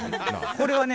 これはね